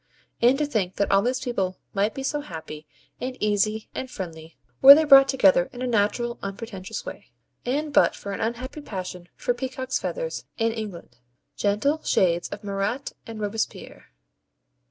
And to think that all these people might be so happy, and easy, and friendly, were they brought together in a natural unpretentious way, and but for an unhappy passion for peacocks' feathers in England. Gentle shades of Marat and Robespierre!